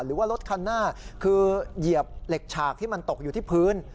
หรือว่ารถคันหน้าคือเหยียบเหล็กฉากที่มันตกอยู่ที่พื้น